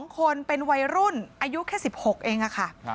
๒คนเป็นวัยรุ่นอายุแค่๑๖เองค่ะ